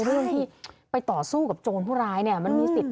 เรื่องที่ไปต่อสู้กับโจรผู้ร้ายเนี่ยมันมีสิทธิ